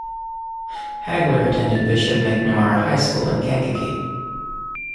Hagler attended Bishop McNamara High School in Kankakee.